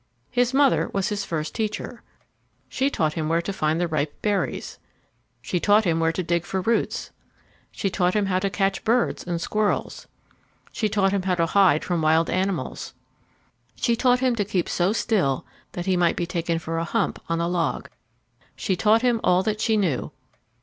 His mother was his first teacher. She taught him where to find the ripe berries. She taught him where to dig for roots. She taught him how to catch birds and squirrels. She taught him how to hide from the wild animals. She taught him to keep so still that he might be taken for a hump on a log. She taught him all that she knew.